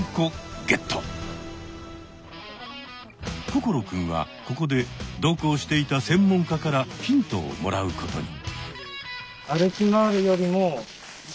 心くんはここで同行していた専門家からヒントをもらうことに。